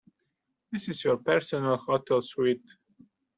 This is your personal hotel suite.